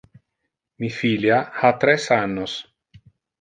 Mi filia ha tres annos.